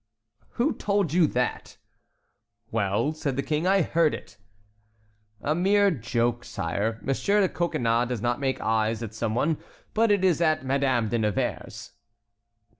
"Who told you that?" "Well," said the King, "I heard it." "A mere joke, sire; Monsieur de Coconnas does make eyes at some one, but it is at Madame de Nevers."